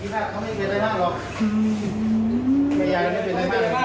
มากครับมากมาก